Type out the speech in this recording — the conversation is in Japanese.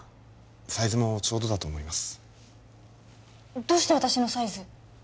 サイズもちょうどだと思いますどうして私のサイズ